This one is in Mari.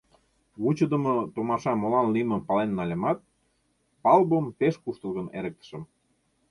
Вучыдымо томаша молан лиймым пален нальымат, палубым пеш куштылгын эрыктышым.